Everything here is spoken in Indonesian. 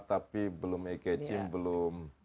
tapi belum ekecim belum